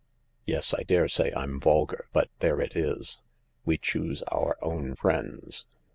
Yes, I daresay I'm vulgar, but there it is. We choose our own friends.